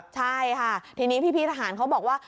ใช่ค่ะทีนี้พี่ทหารเขาบอกว่า